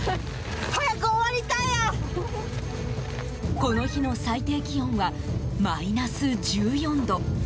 この日の最低気温はマイナス１４度。